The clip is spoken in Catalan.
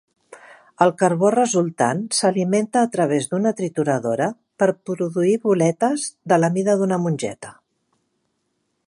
El carbó resultant s'alimenta a través d'una trituradora per produir boletes de la mida d'una mongeta.